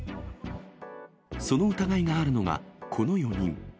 その疑いがあるのが、この４人。